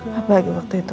apalagi waktu itu